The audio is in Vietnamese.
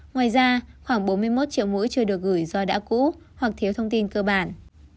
ngoài ra khoảng bốn mươi một triệu mũi chưa được gửi do đã cũ hoặc thiếu thông tin cơ bản